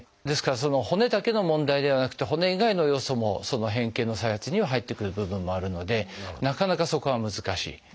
ですから骨だけの問題ではなくて骨以外の要素も変形の再発には入ってくる部分もあるのでなかなかそこは難しい。